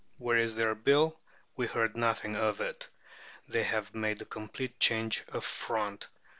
Where is their Bill? We hear nothing of it. They have made a complete change of front.